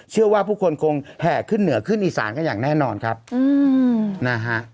เชื่อว่าผู้คนคงแห่ขึ้นเหนือขึ้นอีสานกันอย่างแน่นอนครับนะฮะ